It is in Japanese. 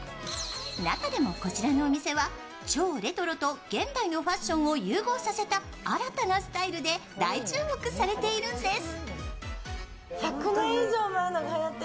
中でもこちらのお店は超レトロと現代のファッションを融合させた新たなスタイルで大注目されているんです。